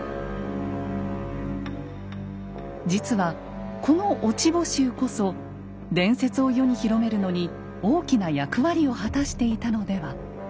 実はこの「落穂集」こそ伝説を世に広めるのに大きな役割を果たしていたのでは？